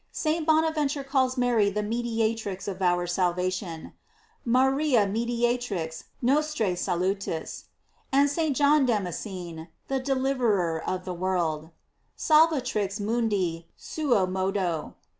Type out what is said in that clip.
St. Bonaventure calls Mary the mediatrix of our salvation: "Maria mediatrix nostrse salutis;" and St. John Damascene: The deliverer of the world: "Salvatrix mundi suo rnodo."